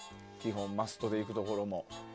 マストで行くところも。